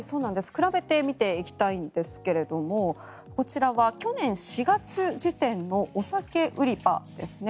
比べて見ていきたいんですけどもこちらは去年４月時点のお酒売り場ですね。